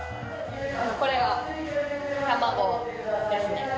これが卵ですね。